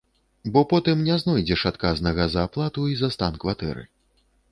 Бо потым не знойдзеш адказнага за аплату і за стан кватэры.